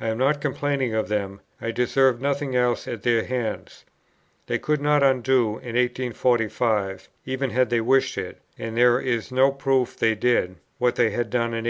I am not complaining of them; I deserved nothing else at their hands. They could not undo in 1845, even had they wished it, (and there is no proof they did,) what they had done in 1841.